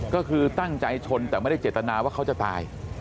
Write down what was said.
ก็คือตั้งใจชนแต่ไม่ได้เจตนาว่าเขาจะตาย